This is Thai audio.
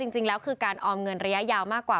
จริงแล้วคือการออมเงินระยะยาวมากกว่า